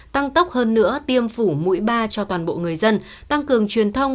tăng tốc hơn nữa tiêm phủ mũi ba cho toàn bộ người dân tăng cường truyền thông